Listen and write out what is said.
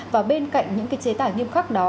và bên cạnh những cái chế tải nghiêm khắc đó